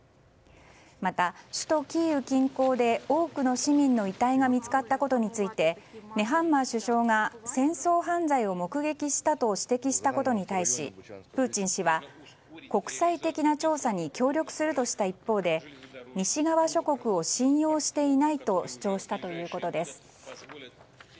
また、首都キーウ近郊で多くの市民の遺体が見つかったことについてネハンマー首相が戦争犯罪を目撃したと指摘したことに対しプーチン氏は国際的な調査に協力するとした一方で西側諸国を信用していないと主張したということです。